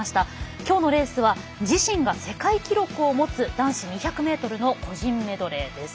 きょうのレースは自身が世界記録を持つ男子２００ｍの個人メドレーです。